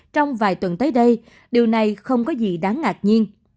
trong vài tuần tới đây điều này không có gì đáng ngạc nhiên